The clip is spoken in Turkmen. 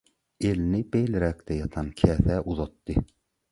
Elini beýleräkde ýatan käsä uzatdy.